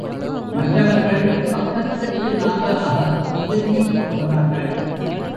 மற்றவர்கள் பக்கத்துக்கு நால்வராக ஒதுங்கிக் கொள்கிறார்கள்.